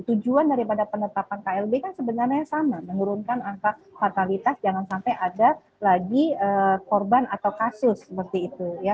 tujuan daripada penetapan klb kan sebenarnya sama menurunkan angka fatalitas jangan sampai ada lagi korban atau kasus seperti itu